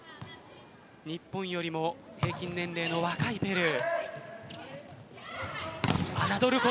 日本よりも平均年齢の若いペルー。